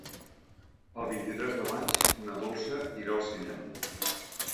El vint-i-tres de maig na Dolça irà al cinema.